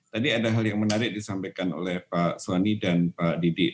tadi ada hal yang menarik disampaikan oleh pak soani dan pak didik